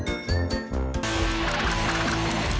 แต่เราต้องยิ่งแน่ตู้